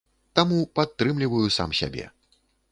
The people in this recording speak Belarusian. Таму падтрымліваю сам сябе.